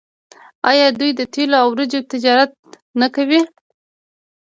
آیا دوی د تیلو او وریجو تجارت نه کوي؟